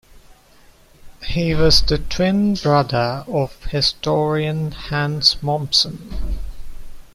He was the twin brother of historian Hans Mommsen.